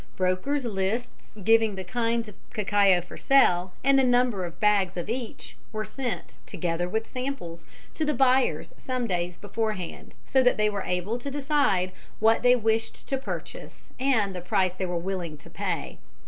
Brokers' lists giving the kinds of cacao for sale, and the number of bags of each, were sent, together with samples, to the buyers some days beforehand, so that they were able to decide what they wished to purchase and the price they were willing to pay.